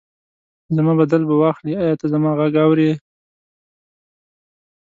زما بدل به واخلي، ایا ته زما غږ اورې؟